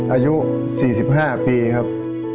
อายุ๔๕ปีครับ